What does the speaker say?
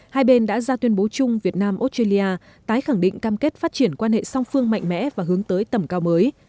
hai bên đã ra tuyên bố chung việt nam australia tái khẳng định cam kết phát triển quan hệ song phương mạnh mẽ và hướng tới tầm cao mới